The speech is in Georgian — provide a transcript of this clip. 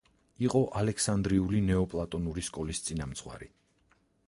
იყო ალექსანდრიული ნეოპლატონური სკოლის წინამძღვარი.